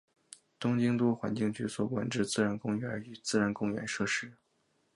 东京都环境局所管之自然公园与自然公园设施。